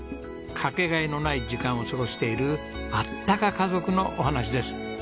かけがえのない時間を過ごしているあったか家族のお話です。